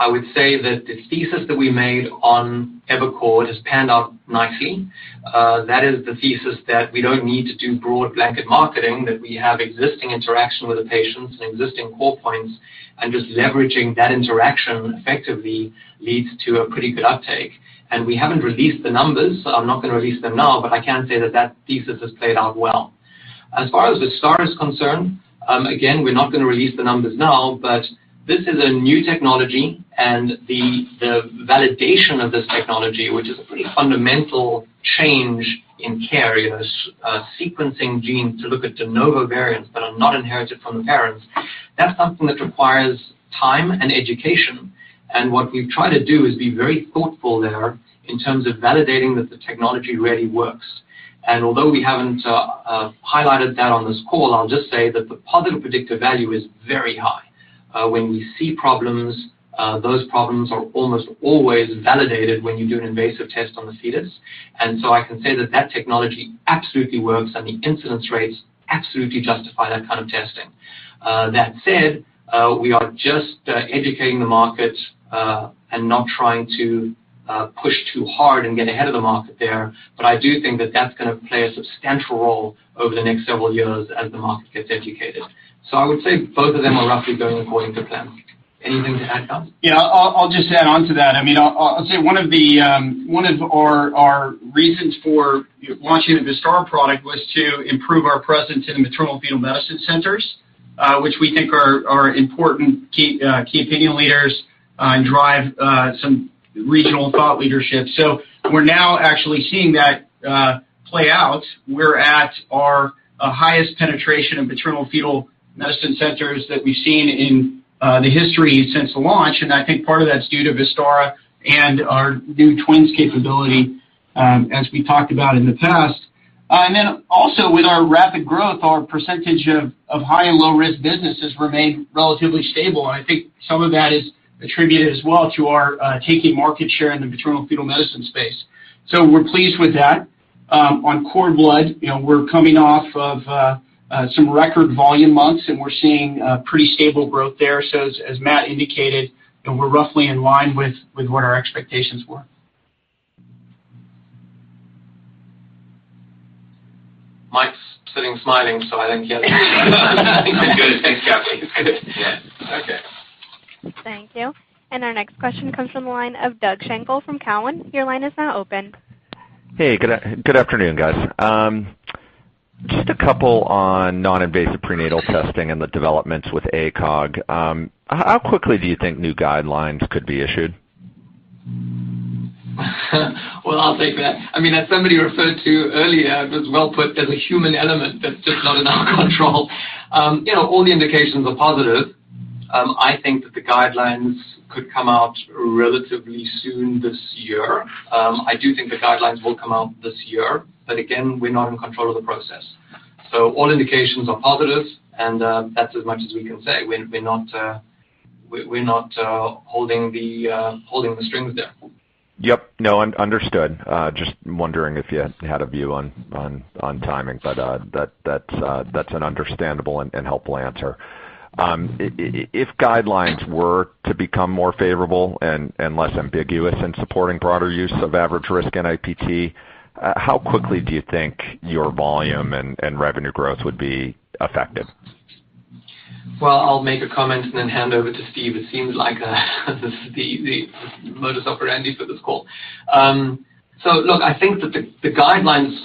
I would say that the thesis that we made on Evercord has panned out nicely. That is the thesis that we don't need to do broad blanket marketing, that we have existing interaction with the patients, existing core points, and just leveraging that interaction effectively leads to a pretty good uptake. We haven't released the numbers, so I'm not going to release them now, but I can say that that thesis has played out well. As far as Vistara is concerned, again, we're not going to release the numbers now, but this is a new technology and the validation of this technology, which is a pretty fundamental change in carriers, sequencing genes to look at de novo variants that are not inherited from the parents, that's something that requires time and education. What we've tried to do is be very thoughtful there in terms of validating that the technology really works. Although we haven't highlighted that on this call, I'll just say that the positive predictive value is very high. When we see problems, those problems are almost always validated when you do an invasive test on the fetus. I can say that technology absolutely works and the incidence rates absolutely justify that kind of testing. That said, we are just educating the market and not trying to push too hard and get ahead of the market there. I do think that that's going to play a substantial role over the next several years as the market gets educated. I would say both of them are roughly going according to plan. Anything to add, Tom? I'll just add on to that. I'll say one of our reasons for launching the Vistara product was to improve our presence in the maternal-fetal medicine centers, which we think are important key opinion leaders and drive some regional thought leadership. We're now actually seeing that play out. We're at our highest penetration of maternal-fetal medicine centers that we've seen in the history since the launch, and I think part of that's due to Vistara and our new twins capability, as we talked about in the past. Also with our rapid growth, our percentage of high and low-risk businesses remain relatively stable, and I think some of that is attributed as well to our taking market share in the maternal-fetal medicine space. We're pleased with that. On cord blood, we're coming off of some record volume months, and we're seeing pretty stable growth there. As Matt indicated, we're roughly in line with what our expectations were. Mike's sitting smiling, I think yeah. I'm good. Thanks, Kathy. Yeah. Okay. Thank you. Our next question comes from the line of Doug Schenkel from Cowen. Your line is now open. Hey, good afternoon, guys. Just a couple on non-invasive prenatal testing and the developments with ACOG. How quickly do you think new guidelines could be issued? Well, I'll take that. As somebody referred to earlier, it was well put, there's a human element that's just not in our control. All the indications are positive. I think that the guidelines could come out relatively soon this year. I do think the guidelines will come out this year, but again, we're not in control of the process. All indications are positive, and that's as much as we can say. We're not holding the strings there. Yep. No, understood. Just wondering if you had a view on timing, but that's an understandable and helpful answer. If guidelines were to become more favorable and less ambiguous in supporting broader use of average risk NIPT, how quickly do you think your volume and revenue growth would be affected? I'll make a comment and then hand over to Steve. It seems like this is the modus operandi for this call. I think that the guidelines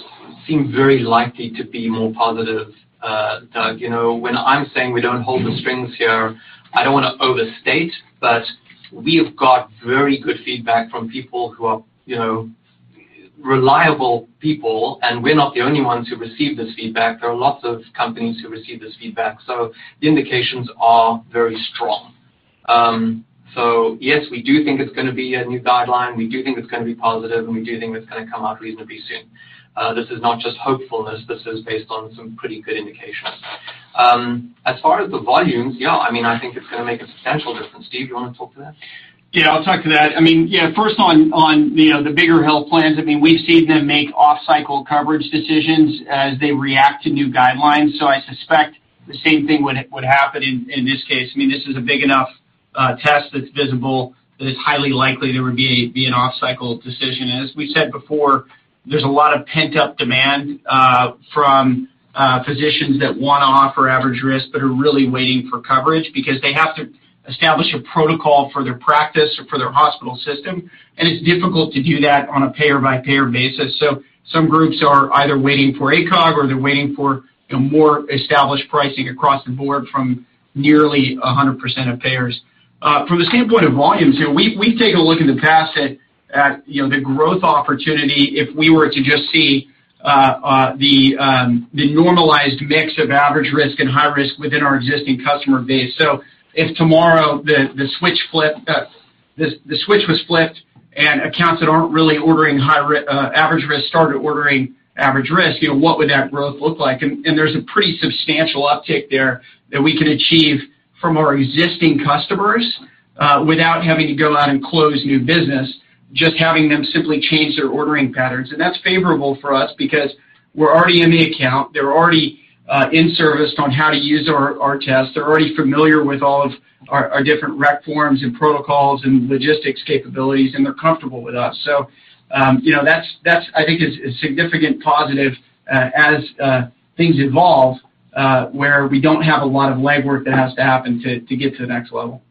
seem very likely to be more positive, Doug. When I'm saying we don't hold the strings here, I don't want to overstate, but we have got very good feedback from people who are reliable people, and we're not the only ones who receive this feedback. There are lots of companies who receive this feedback. The indications are very strong. Yes, we do think it's going to be a new guideline. We do think it's going to be positive, and we do think it's going to come out reasonably soon. This is not just hopefulness. This is based on some pretty good indications. As far as the volumes, yeah, I think it's going to make a substantial difference. Steve, you want to talk to that? Yeah, I'll talk to that. First on the bigger health plans, we've seen them make off-cycle coverage decisions as they react to new guidelines. I suspect the same thing would happen in this case. This is a big enough test that's visible that it's highly likely there would be an off-cycle decision. As we said before, there's a lot of pent-up demand from physicians that want to offer average risk but are really waiting for coverage because they have to establish a protocol for their practice or for their hospital system. It's difficult to do that on a payer-by-payer basis. Some groups are either waiting for ACOG or they're waiting for more established pricing across the board from nearly 100% of payers. From the standpoint of volumes here, we've taken a look in the past at the growth opportunity if we were to just see the normalized mix of average risk and high risk within our existing customer base. If tomorrow the switch was flipped and accounts that aren't really ordering average risk started ordering average risk, what would that growth look like? There's a pretty substantial uptick there that we could achieve from our existing customers without having to go out and close new business, just having them simply change their ordering patterns. That's favorable for us because we're already in the account. They're already in-serviced on how to use our tests. They're already familiar with all of our different rec forms and protocols and logistics capabilities, and they're comfortable with us. That I think is a significant positive as things evolve, where we don't have a lot of legwork that has to happen to get to the next level.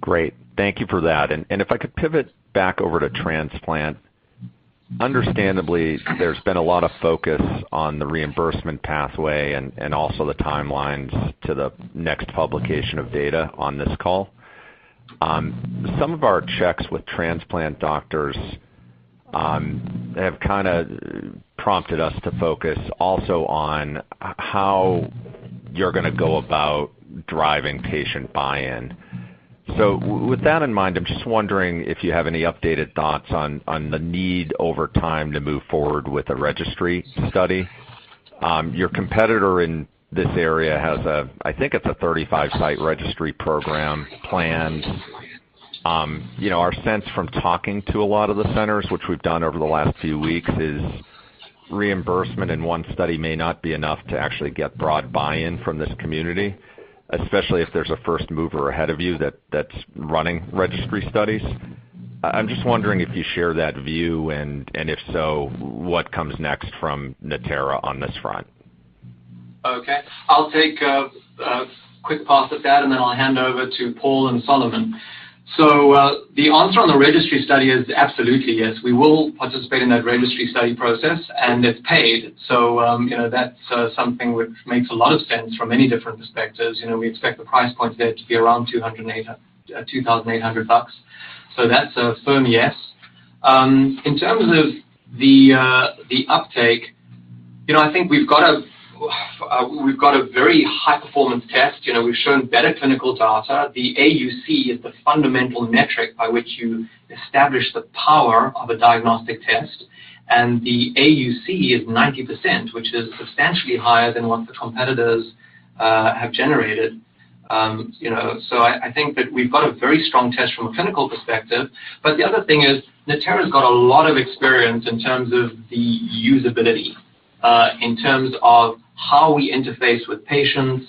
Great. Thank you for that. If I could pivot back over to transplant. Understandably, there's been a lot of focus on the reimbursement pathway and also the timelines to the next publication of data on this call. Some of our checks with transplant doctors have kind of prompted us to focus also on how you're going to go about driving patient buy-in. With that in mind, I'm just wondering if you have any updated thoughts on the need over time to move forward with a registry study. Your competitor in this area has a, I think it's a 35-site registry program planned. Our sense from talking to a lot of the centers, which we've done over the last few weeks, is reimbursement in one study may not be enough to actually get broad buy-in from this community, especially if there's a first mover ahead of you that's running registry studies. I'm just wondering if you share that view, and if so, what comes next from Natera on this front? Okay. I'll take a quick pass at that, then I'll hand over to Paul and Solomon. The answer on the registry study is absolutely, yes. We will participate in that registry study process, and it's paid. That's something which makes a lot of sense from many different perspectives. We expect the price point there to be around $2,800 bucks. That's a firm yes. In terms of the uptake, I think we've got a very high-performance test. We've shown better clinical data. The AUC is the fundamental metric by which you establish the power of a diagnostic test. The AUC is 90%, which is substantially higher than what the competitors have generated. I think that we've got a very strong test from a clinical perspective. The other thing is, Natera's got a lot of experience in terms of the usability, in terms of how we interface with patients,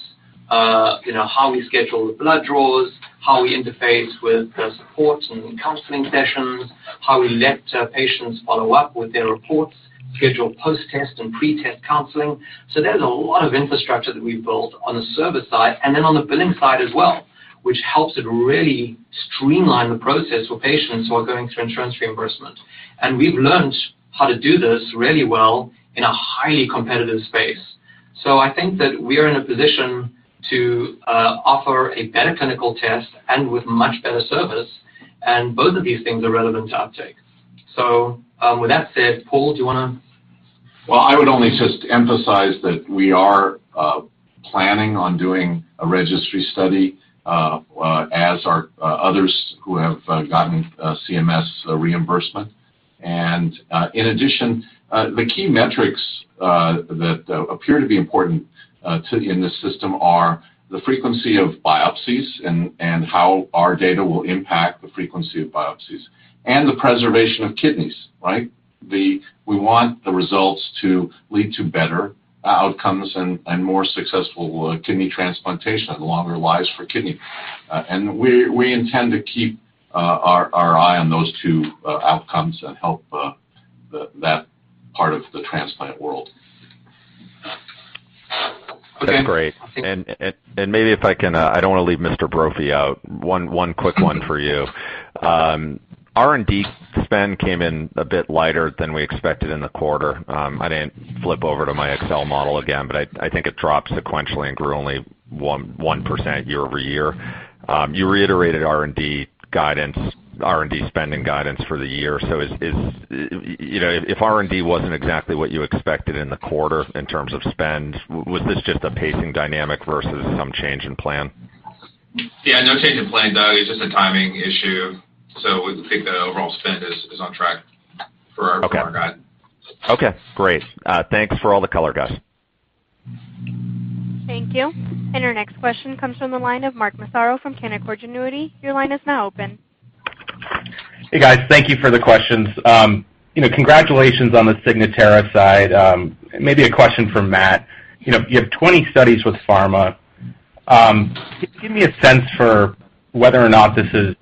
how we schedule the blood draws, how we interface with the supports and counseling sessions, how we let patients follow up with their reports, schedule post-test and pre-test counseling. There's a lot of infrastructure that we've built on the service side, and then on the billing side as well, which helps it really streamline the process for patients who are going through insurance reimbursement. We've learnt how to do this really well in a highly competitive space. I think that we're in a position to offer a better clinical test and with much better service, and both of these things are relevant to uptake. With that said, Paul, do you want to? Well, I would only just emphasize that we are planning on doing a registry study, as are others who have gotten CMS reimbursement. In addition, the key metrics that appear to be important in this system are the frequency of biopsies and how our data will impact the frequency of biopsies and the preservation of kidneys. Right? We want the results to lead to better outcomes and more successful kidney transplantation and longer lives for kidney. We intend to keep our eye on those two outcomes and help that part of the transplant world. Okay. That's great. Maybe if I can I don't want to leave Mr. Brophy out. One quick one for you. R&D spend came in a bit lighter than we expected in the quarter. I didn't flip over to my Excel model again, I think it dropped sequentially and grew only 1% year-over-year. You reiterated R&D spending guidance for the year. If R&D wasn't exactly what you expected in the quarter in terms of spend, was this just a pacing dynamic versus some change in plan? No change in plan, Doug. It's just a timing issue. We think the overall spend is on track for our guide. Okay. Great. Thanks for all the color, guys. Thank you. Our next question comes from the line of Mark Massaro from Canaccord Genuity. Your line is now open. Hey, guys. Thank you for the questions. Congratulations on the Signatera side. Maybe a question for Matt. You have 20 studies with pharma. Can you give me a sense for whether or not this is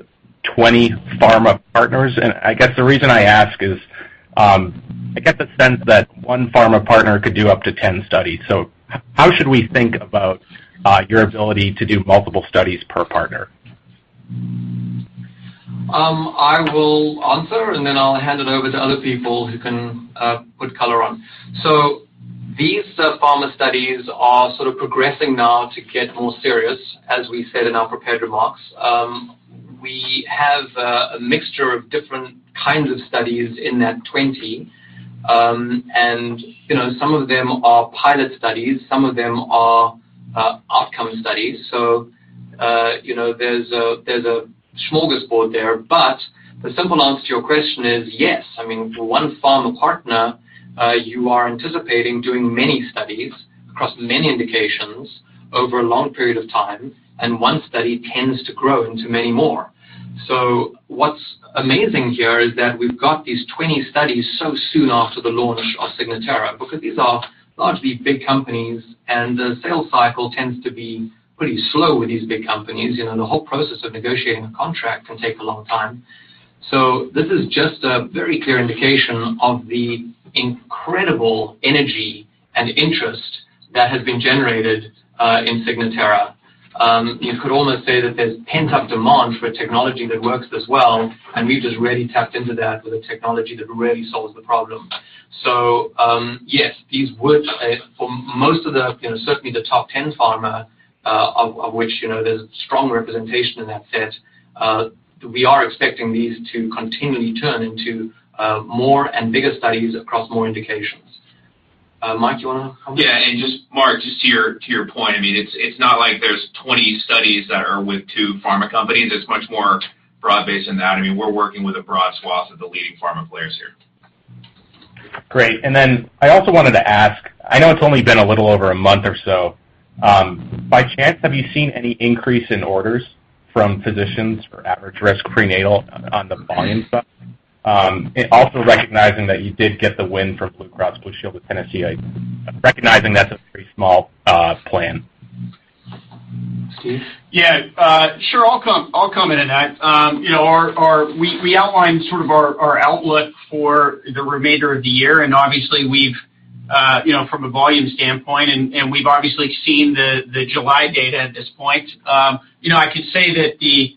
20 pharma partners? I guess the reason I ask is, I get the sense that one pharma partner could do up to 10 studies. How should we think about your ability to do multiple studies per partner? I will answer, and then I'll hand it over to other people who can put color on. These pharma studies are sort of progressing now to get more serious, as we said in our prepared remarks. We have a mixture of different kinds of studies in that 20. Some of them are pilot studies, some of them are outcome studies. There's a smorgasbord there. The simple answer to your question is yes. I mean, for one pharma partner, you are anticipating doing many studies across many indications over a long period of time, and one study tends to grow into many more. What's amazing here is that we've got these 20 studies so soon after the launch of Signatera, because these are largely big companies, and the sales cycle tends to be pretty slow with these big companies. The whole process of negotiating a contract can take a long time. This is just a very clear indication of the incredible energy and interest that has been generated in Signatera. You could almost say that there's pent-up demand for technology that works this well, and we've just really tapped into that with a technology that really solves the problem. Yes, these would, for most of the, certainly the top 10 pharma, of which, there's strong representation in that set. We are expecting these to continually turn into more and bigger studies across more indications. Mike, you want to comment? Yeah. Mark, just to your point, it's not like there's 20 studies that are with two pharma companies. It's much more broad-based than that. We're working with a broad swath of the leading pharma players here. Great. Then I also wanted to ask, I know it's only been a little over a month or so, by chance, have you seen any increase in orders from physicians for average-risk prenatal on the volume side? Also recognizing that you did get the win from BlueCross BlueShield of Tennessee, recognizing that's a pretty small plan. Steve? Yeah. Sure, I'll come in on that. Obviously, from a volume standpoint, we've obviously seen the July data at this point. I could say that the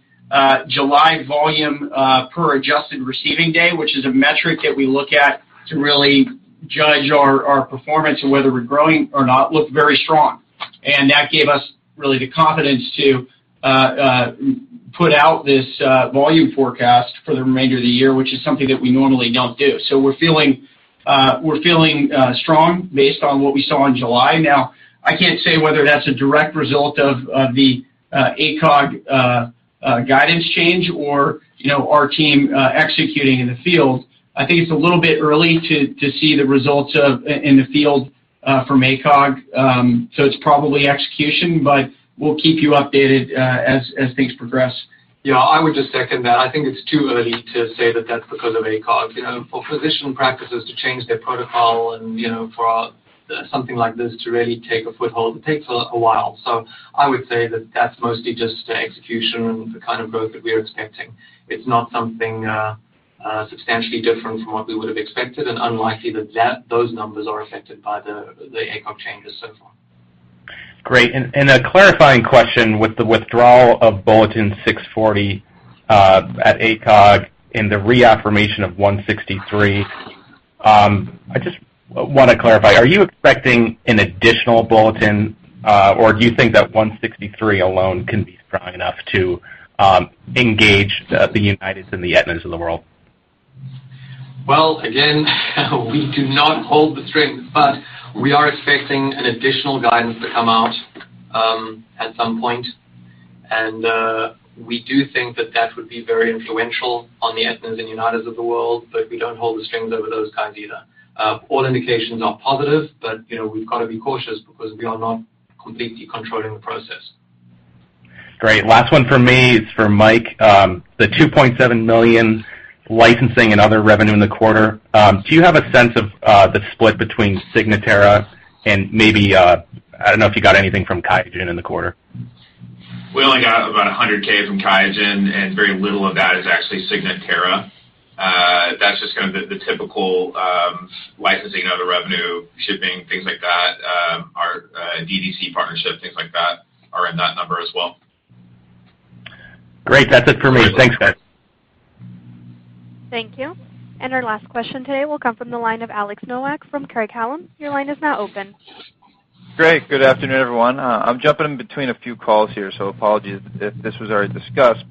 July volume per adjusted receiving day, which is a metric that we look at to really judge our performance and whether we're growing or not, looked very strong. That gave us really the confidence to put out this volume forecast for the remainder of the year, which is something that we normally don't do. We're feeling strong based on what we saw in July. Now, I can't say whether that's a direct result of the ACOG guidance change or our team executing in the field. I think it's a little bit early to see the results in the field from ACOG. It's probably execution, but we'll keep you updated as things progress. Yeah, I would just second that. I think it's too early to say that that's because of ACOG. For physician practices to change their protocol and for something like this to really take a foothold, it takes a while. I would say that that's mostly just execution and the kind of growth that we are expecting. It's not something substantially different from what we would have expected, and unlikely that those numbers are affected by the ACOG changes so far. Great. A clarifying question with the withdrawal of bulletin 640 at ACOG and the reaffirmation of 163, I just want to clarify, are you expecting an additional bulletin, or do you think that 163 alone can be strong enough to engage the Uniteds and the Aetnas of the world? Well, again, we do not hold the strings, but we are expecting an additional guidance to come out at some point. We do think that that would be very influential on the Aetnas and Uniteds of the world, but we don't hold the strings over those guys either. All indications are positive, but we've got to be cautious because we are not completely controlling the process. Great. Last one from me is for Mike. The $2.7 million licensing and other revenue in the quarter, do you have a sense of the split between Signatera and maybe, I don't know if you got anything from QIAGEN in the quarter? We only got about $100K from QIAGEN, and very little of that is actually Signatera. That's just kind of the typical licensing, other revenue, shipping, things like that. Our DDC partnership, things like that are in that number as well. Great. That's it for me. Thanks, guys. Thank you. Our last question today will come from the line of Alexander Nowak from Craig-Hallum. Your line is now open. Great. Good afternoon, everyone. I'm jumping between a few calls here, so apologies if this was already discussed.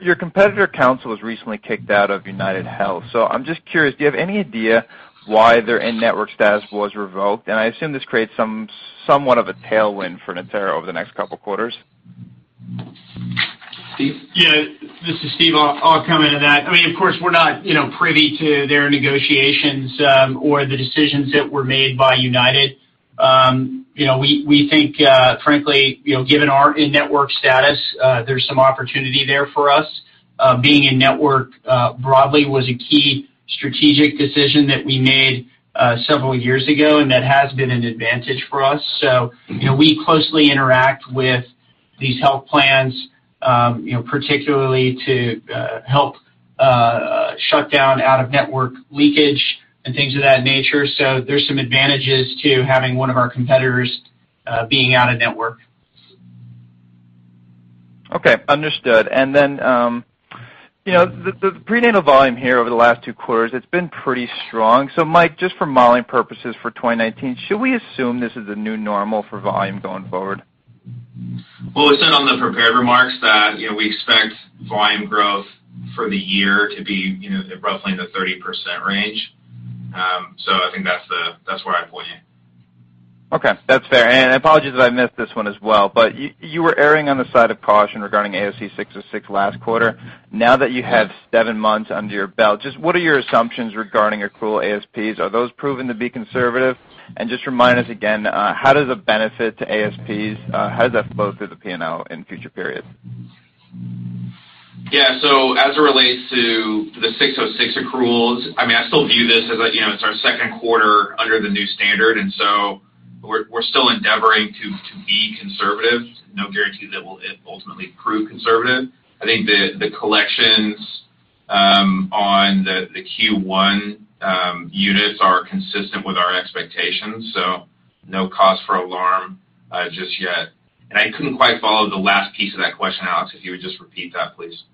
Your competitor, Counsyl, was recently kicked out of UnitedHealth. I'm just curious, do you have any idea why their in-network status was revoked? I assume this creates somewhat of a tailwind for Natera over the next couple of quarters. Steve? Yeah. This is Steve. I'll comment on that. Of course, we're not privy to their negotiations or the decisions that were made by United. We think, frankly, given our in-network status, there's some opportunity there for us. Being in-network broadly was a key strategic decision that we made several years ago, and that has been an advantage for us. We closely interact with these health plans, particularly to help shut down out-of-network leakage and things of that nature. There's some advantages to having one of our competitors being out-of-network. Okay. Understood. The prenatal volume here over the last two quarters, it's been pretty strong. Mike, just for modeling purposes for 2019, should we assume this is the new normal for volume going forward? Well, we said on the prepared remarks that we expect volume growth for the year to be roughly in the 30% range. I think that's where I'd point you. Okay. That's fair. Apologies that I missed this one as well, but you were erring on the side of caution regarding ASC 606 last quarter. Now that you have seven months under your belt, just what are your assumptions regarding accrual ASPs? Are those proven to be conservative? Just remind us again, how does the benefit to ASPs, how does that flow through the P&L in future periods? Yeah. As it relates to the 606 accruals, I still view this as our second quarter under the new standard. We're still endeavoring to be conservative. No guarantee that it will ultimately prove conservative. I think the collections on the Q1 units are consistent with our expectations. No cause for alarm just yet. I couldn't quite follow the last piece of that question, Alex, if you would just repeat that, please.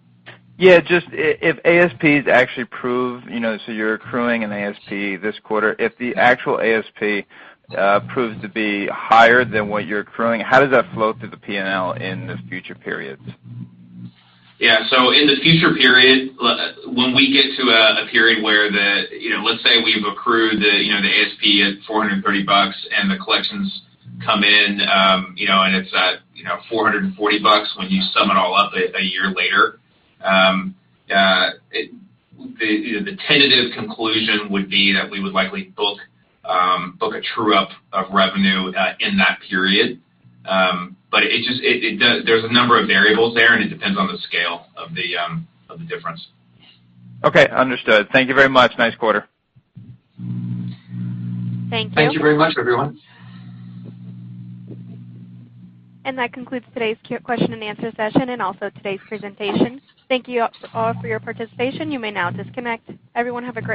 Yeah, just if ASPs actually prove, you're accruing an ASP this quarter, if the actual ASP proves to be higher than what you're accruing, how does that flow through the P&L in the future periods? Yeah. In the future period, when we get to a period where Let's say we've accrued the ASP at $430 and the collections come in and it's at $440 when you sum it all up a year later. The tentative conclusion would be that we would likely book a true-up of revenue in that period. There's a number of variables there, and it depends on the scale of the difference. Okay, understood. Thank you very much. Nice quarter. Thank you. Thank you very much, everyone. That concludes today's Q&A session and also today's presentation. Thank you all for your participation. You may now disconnect. Everyone have a great week.